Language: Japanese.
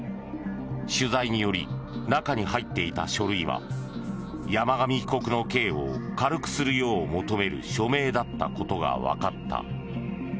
取材により中に入っていた書類は山上被告の刑を軽くするよう求める署名だったことがわかった。